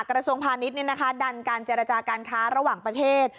กระทรวงพาณิชย์ดันการเจรจาการค้าระหว่างประเทศ